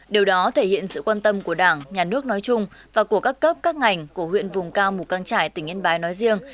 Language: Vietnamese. điều đó thể hiện sự quan tâm của đảng nhà nước nói chung và của các cấp các ngành của huyện vùng cao mù căng trải tỉnh yên bái nói riêng